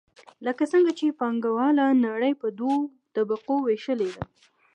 لکه څنګه چې پانګواله نړۍ په دوو طبقو ویشلې ده.